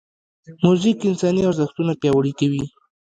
موزیک انساني ارزښتونه پیاوړي کوي.